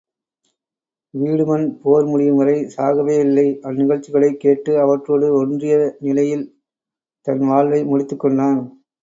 வீடுமன் போர் முடியும்வரை சாகவே இல்லை அந்நிகழ்ச்சிகளைக் கேட்டு அவற்றோடு ஒன்றிய நிலையில் தன் வாழ்வை முடித்துக் கொண்டான்.